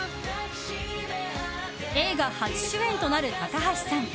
映画初主演となる高橋さん。